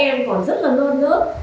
các em còn rất là non lớp